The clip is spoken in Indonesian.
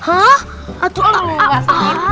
astagfirullahaladzim apalagi sih aika